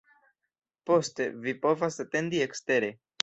Poste; vi povas atendi ekstere.